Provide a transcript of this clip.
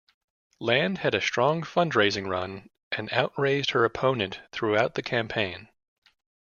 Land had a strong fundraising run and outraised her opponent throughout the campaign.